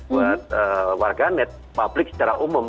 buat warganet publik secara umum